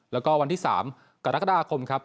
แล้วก็วันที่๓กรกฎาคมครับ